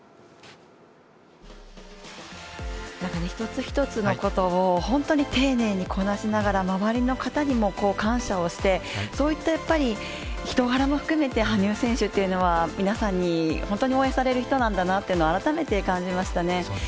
一つ一つのことを本当に丁寧にこなしながら周りの方にも感謝をして、そういった人柄も含めて羽生選手というのは皆さんに本当に応援される人なんだなということを改めて感じましたね。